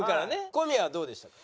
小宮はどうでしたか？